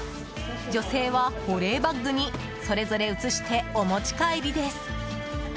女性は保冷バッグにそれぞれ移して、お持ち帰りです。